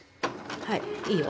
はいいいよ。